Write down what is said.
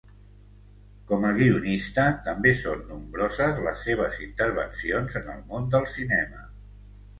Com a guionista, també són nombroses les seves intervencions en el món del cinema.